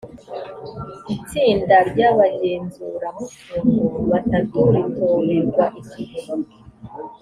itsinda ry abagenzuramutungo batatu ritorerwa igihe